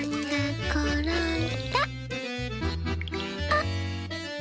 あっ！